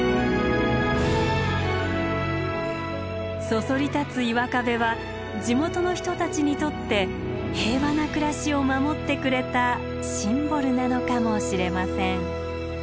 そそり立つ岩壁は地元の人たちにとって平和な暮らしを守ってくれたシンボルなのかもしれません。